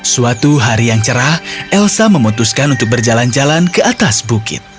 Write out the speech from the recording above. suatu hari yang cerah elsa memutuskan untuk berjalan jalan ke atas bukit